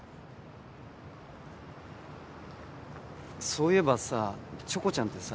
そういえばさチョコちゃんってさ。